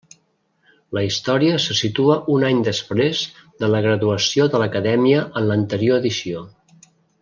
La història se situa un any després de la graduació de l'acadèmia en l'anterior edició.